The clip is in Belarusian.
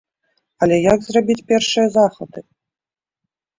Але як зрабіць першыя захады?